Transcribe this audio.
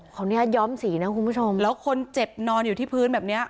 ขออนุญาตย้อมสีนะคุณผู้ชมแล้วคนเจ็บนอนอยู่ที่พื้นแบบเนี้ย